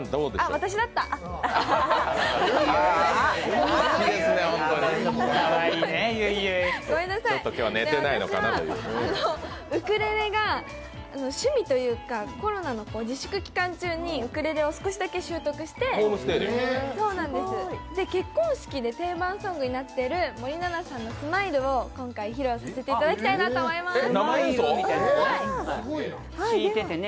私はウクレレが趣味というか、コロナの自粛期間中にウクレレを少しだけ習得して、結婚式で定番ソングになっている森七菜さんの「スマイル」を今回披露させていただきたいと思います。